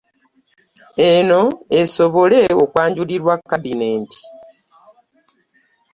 Eno esobole okwanjulirwa kabbineeti.